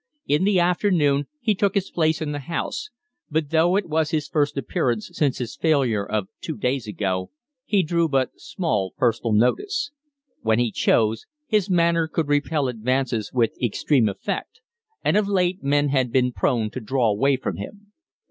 In the afternoon he took his place in the House, but, though it was his first appearance since his failure of two days ago, he drew but small personal notice. When he chose, his manner could repel advances with extreme effect, and of late men had been prone to draw away from him.